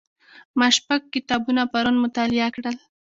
ما شپږ کتابونه پرون مطالعه کړل.